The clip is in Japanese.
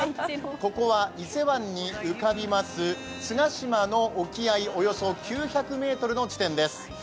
ここは伊勢湾に浮かびます、菅島の沖合およそ９００ｍの地点です。